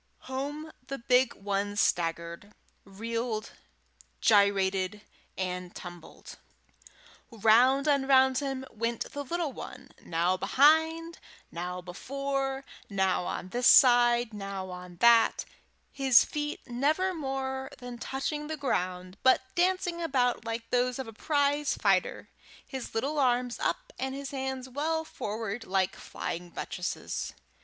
Home the big one staggered, reeled, gyrated, and tumbled; round and round him went the little one, now behind, now before, now on this side, now on that, his feet never more than touching the ground but dancing about like those of a prize fighter, his little arms up and his hands well forward, like flying buttresses.